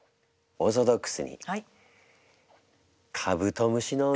オーソドックス！